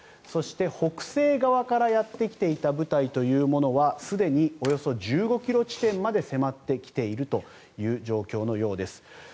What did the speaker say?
そして、北西側からやってきていた部隊というものはすでにおよそ１５ｋｍ地点まで迫ってきているという状況のようです。